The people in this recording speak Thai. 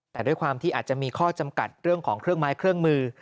แต่ด้วยความที่อาจจะมีข้อจำกัดเรื่องของเครื่องไม้เครื่องมือ